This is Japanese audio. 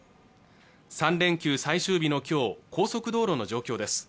３連休最終日のきょう高速道路の状況です